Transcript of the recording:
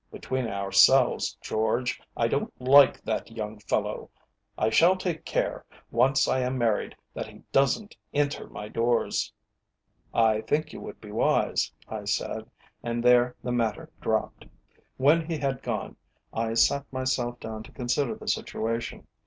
"Between ourselves, George, I don't like that young fellow. I shall take care, once I am married, that he doesn't enter my doors." "I think you would be wise," I said, and there the matter dropped. When he had gone, I sat myself down to consider the situation.